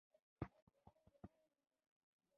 هغه کسان چې په پېښو کې مړه یا ژوبلېدل مستحق وپېژندل شول.